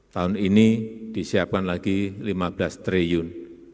tahun ini disiapkan lagi lima belas triliun